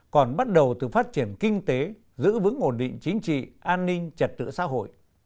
còn bắt đầu từ phát triển kinh tế giữ vững ổn định chính trị an ninh trật tự xã hội